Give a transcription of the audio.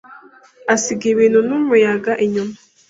asiga ibiti n'umuyaga inyuma